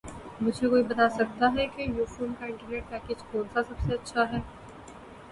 مجھے کوئی بتا سکتا ہے کہ یوفون کا انٹرنیٹ پیکج کون سا سب سے اچھا ہے